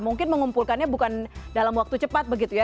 mungkin mengumpulkannya bukan dalam waktu cepat begitu ya